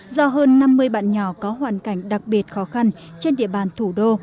do hơn năm mươi bạn nhỏ có hoàn cảnh đặc biệt khó khăn trên địa bàn thủ đô